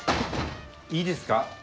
いいですか？